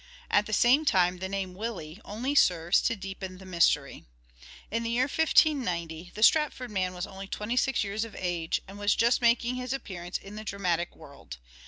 At the same time, the name " Willie " only serves to deepen the mystery. In the year 1590 the Stratford man was only twenty six years of age and was just making his appearance in the dramatic world.